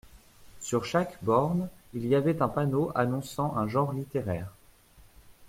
Sur chaque borne, il y avait un panneau annonçant un genre littéraire.